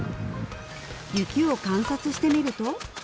雪を観察してみると？